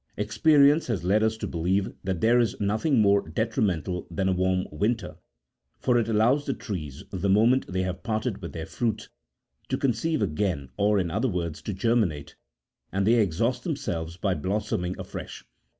Experience has led us to believe that there is nothing more detrimental than a warm winter ; for it allows the trees, the moment chey have parted with their fruits, to conceive again, or, in other words, to germinate, and then exhaust themselves by blossoming afresh.